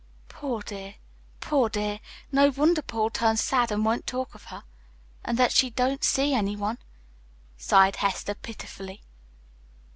"Poor dear, poor dear. No wonder Paul turns sad and won't talk of her, and that she don't see anyone," sighed Hester pitifully.